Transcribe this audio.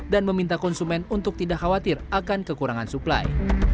dan meminta konsumen untuk tidak khawatir akan kekurangan suplai